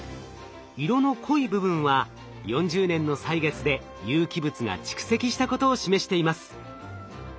色の濃い部分は４０年の歳月で有機物が蓄積したことを示しています。